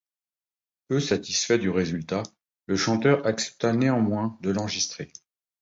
Peu satisfait du résultat, le chanteur accepta néanmoins de l'enregistrer.